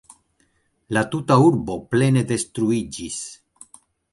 La tuta urbo plene detruiĝis.